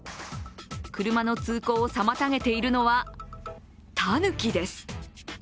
車の通行を妨げているのは、タヌキです。